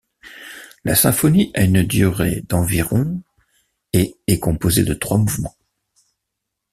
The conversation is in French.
La symphonie a une durée d'environ et est composée de trois mouvements.